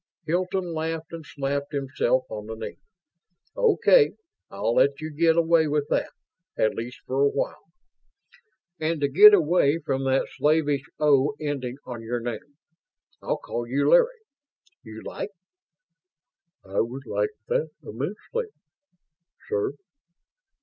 Hilton laughed and slapped himself on the knee. "Okay, I'll let you get away with that at least for a while. And to get away from that slavish 'o' ending on your name, I'll call you 'Larry'. You like?" "I would like that immensely ... sir."